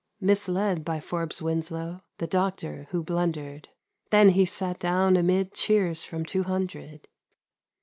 Misled by Forbes Wiiislow, The Doctor who blundered — Then he sat down amid Cheers from two hundred.